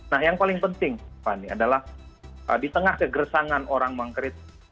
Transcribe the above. nah yang paling penting fani adalah di tengah kegersangan orang mengkritik